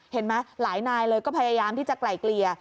เห็นไหมหลายนายเลยก็พยายามที่จะไกลเกลี่ย